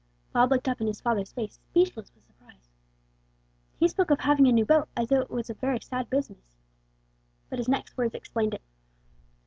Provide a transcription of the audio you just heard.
Bob looked up in his father's face, speechless with surprise. He spoke of having a new boat as though it was a very sad business. But his next words explained it.